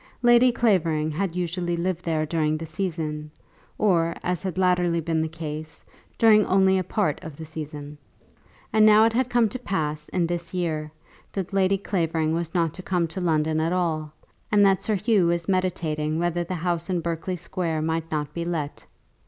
Lady Clavering had usually lived there during the season; or, as had latterly been the case, during only a part of the season. And now it had come to pass, in this year, that Lady Clavering was not to come to London at all, and that Sir Hugh was meditating whether the house in Berkeley Square might not be let.